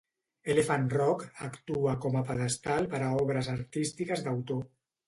Elephant Rock actua com a pedestal per a obres artístiques d'autor.